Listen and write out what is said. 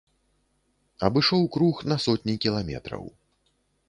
Абышоў круг на сотні кіламетраў.